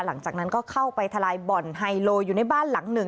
หลังจากนั้นก็เข้าไปทลายบ่อนไฮโลอยู่ในบ้านหลังหนึ่ง